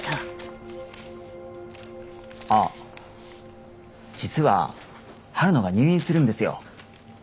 ☎あ実は晴野が入院するんですよ。